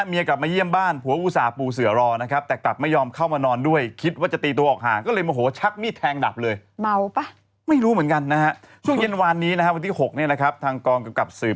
เมียกลับมาเยี่ยมบ้านผัวอุสาปูเสือรอนะครับ